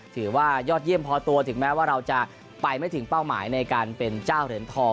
ถือว่ายอดเยี่ยมพอตัวถึงแม้ว่าเราจะไปไม่ถึงเป้าหมายในการเป็นเจ้าเหรียญทอง